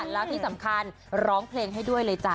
แล้วที่สำคัญร้องเพลงให้ด้วยเลยจ้